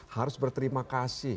harus berterima kasih